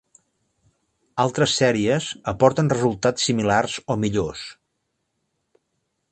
Altres sèries aporten resultats similars o millors.